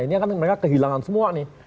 ini akan mereka kehilangan semua nih